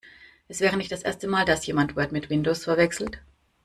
Es wäre nicht das erste Mal, dass jemand Word mit Windows verwechselt.